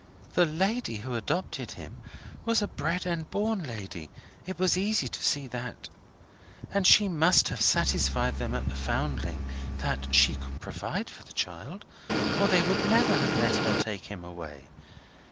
The, lady who adopted him was a bred and born lady it was easy to see that. And she must have satisfied them at the Foundling that she could provide for the child, or they would never have let her take him away.